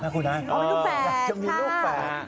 อยากจะมีลูกแฝด